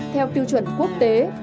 theo tiêu chuẩn quốc tế